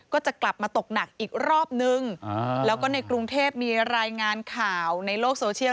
ก็จะกลับมาตกหนักอีกรอบนึงแล้วก็ในกรุงเทพมีรายงานข่าวในโลกโซเชียล